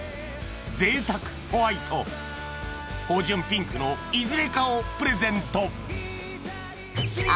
贅沢ホワイト芳醇ピンクのいずれかをプレゼント